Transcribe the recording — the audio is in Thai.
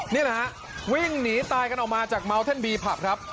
นี่แหละฮะวิ่งหนีตายกันออกมาจากเมาเท่นบีผับครับ